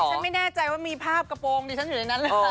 ฉันไม่แน่ใจว่ามีภาพกระปงนี่ฉันอยู่ในนั้นเลย